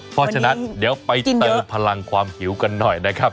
เพราะฉะนั้นเดี๋ยวไปเติมพลังความหิวกันหน่อยนะครับ